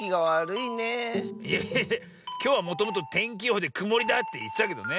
いやきょうはもともとてんきよほうでくもりだっていってたけどね。